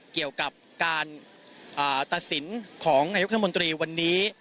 เกี่ยวกับการตัดสินของนายกรัฐมนตรีวันนี้